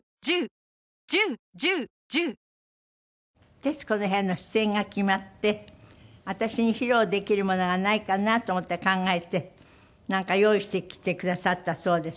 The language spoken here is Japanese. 『徹子の部屋』の出演が決まって私に披露できるものがないかなと思って考えてなんか用意してきてくださったそうです。